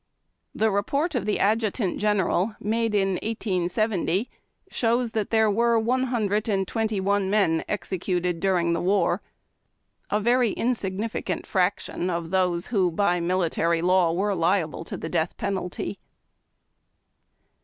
The report of the Adjutant General, made in 1870, shows that there were one hundred and twenty one men executed during the war — a very insignificant fraction of those who, by military law, were liable to the death penalty.